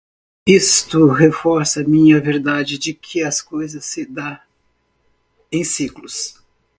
Isto reforça minha verdade de que a coisa se dá em ciclo